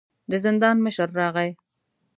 د زندان مشر راغی.